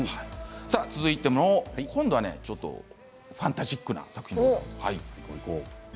続いて今度はファンタジックな作品です。